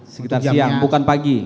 sekitar siang bukan pagi